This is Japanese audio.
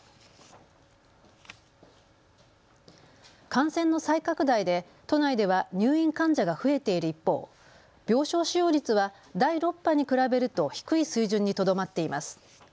感染の再拡大で都内では入院患者が増えている一方、病床使用率は第６波に比べると低い水準にとどまっています。